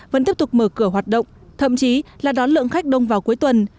vẫn tiếp tục mở cửa hoạt động thậm chí là đón lượng khách đông vào cuối tuần